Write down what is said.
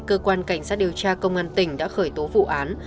cơ quan cảnh sát điều tra công an tỉnh đã khởi tố vụ án